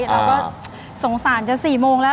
เราก็สงสารจะ๔โมงแล้ว